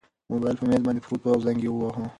موبایل په مېز باندې پروت و او زنګ یې واهه.